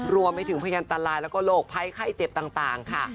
รวมไปถึงพยันตรายแล้วก็โรคภัยไข้เจ็บต่างค่ะ